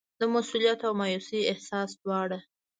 د مسوولیت او مایوسۍ احساس دواړه.